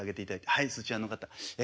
はいそちらの方ええ。